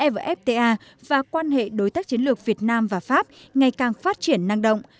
evfta và quan hệ đối tác chiến lược việt nam và pháp ngày càng phát triển năng động